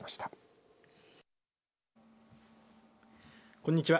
こんにちは。